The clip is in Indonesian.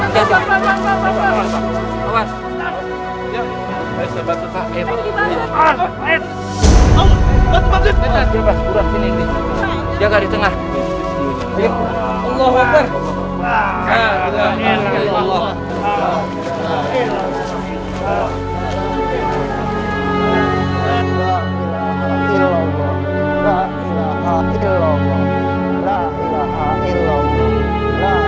jangan lupa kayak gini